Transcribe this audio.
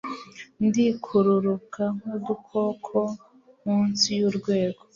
ndikururuka nk'udukoko munsi y'urwego